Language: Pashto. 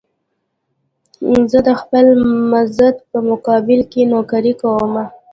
زه د خپل مزد په مقابل کې نوکري کومه.